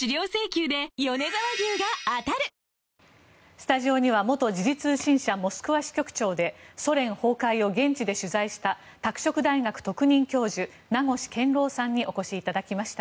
スタジオには元時事通信社モスクワ支局長でソ連崩壊を現地で取材した拓殖大学特任教授名越健郎さんにお越しいただきました。